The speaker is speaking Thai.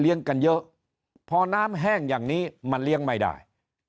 กันเยอะพอน้ำแห้งอย่างนี้มันเลี้ยงไม่ได้